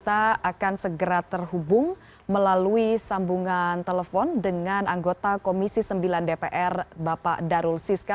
kita akan segera terhubung melalui sambungan telepon dengan anggota komisi sembilan dpr bapak darul siska